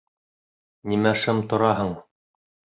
Нимә шым тораһың?!